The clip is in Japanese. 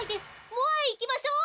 モアイいきましょう！